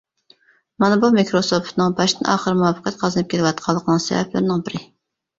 مانا بۇ مىكروسوفتنىڭ باشتىن-ئاخىر مۇۋەپپەقىيەت قازىنىپ كېلىۋاتقانلىقىنىڭ سەۋەبلىرىنىڭ بىرى.